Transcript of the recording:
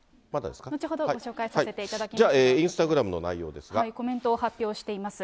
後ほどご紹介させていただきじゃあ、インスタグラムの内コメントを発表しています。